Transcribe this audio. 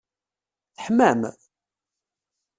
Teḥmam?